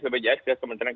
varyasinya itu macam macam